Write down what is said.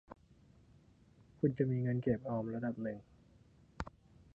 คุณจะมีเงินเก็บเงินออมระดับหนึ่ง